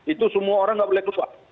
itu semua orang nggak boleh keluar